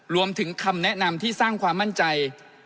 คำแนะนำที่สร้างความมั่นใจ